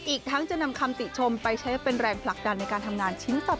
อีกทั้งจะนำคำติชมไปใช้เป็นแรงผลักดันในการทำงานชิ้นต่อ